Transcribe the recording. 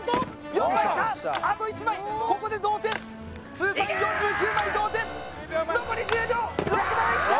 ４番いったあと１枚ここで同点通算４９枚同点残り１０秒６番いった